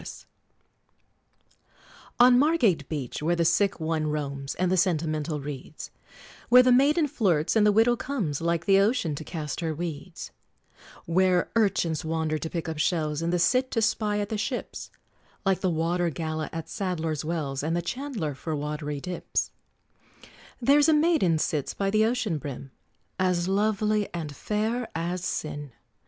"] On Margate beach, where the sick one roams, And the sentimental reads; Where the maiden flirts, and the widow comes Like the ocean to cast her weeds; Where urchins wander to pick up shells, And the Cit to spy at the ships, Like the water gala at Sadler's Wells, And the Chandler for watery dips; There's a maiden sits by the ocean brim, As lovely and fair as sin!